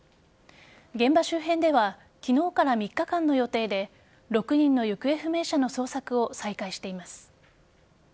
現場周辺では昨日から３日間の予定で６人の行方不明者の捜索を再開しています。